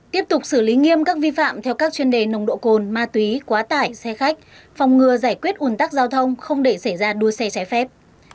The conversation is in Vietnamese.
tiếp tục xử lý nghiêm các vi phạm theo các chuyên đề nồng độ cồn ma túy quá tải xe khách phòng ngừa giải quyết ủn tắc giao thông không để xảy ra đua xe trái phép